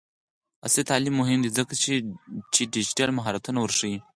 عصري تعلیم مهم دی ځکه چې ډیجیټل مهارتونه ورښيي.